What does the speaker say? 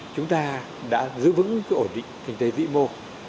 chúng ta đã giữ vững ổn định kinh tế dị mô